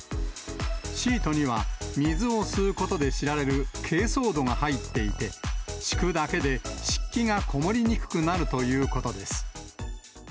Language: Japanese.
シートには水を吸うことで知られる、けいそう土が入っていて、敷くだけで湿気が籠もりにくくなるということです。